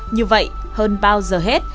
như vậy hơn bao giờ hết